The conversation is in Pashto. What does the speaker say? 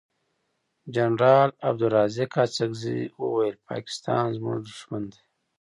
جنرال عبدلرازق اڅګزی وویل پاکستان زمونږ دوښمن دی.